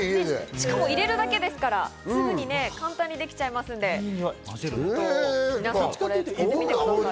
しかも入れるだけですから、すぐに簡単にできちゃいますので作ってみてください。